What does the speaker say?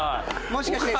もしかして。